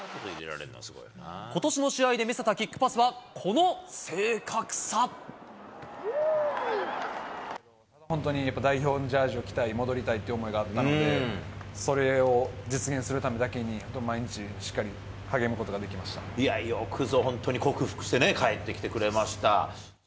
ことしの試合で見せたキックパスは、本当にやっぱり、代表のジャージを着たい、戻りたいという思いがあったので、それを実現するためだけに、毎日、しっかり励むことができまいや、よくぞ本当に克服してね、帰ってきてくれました。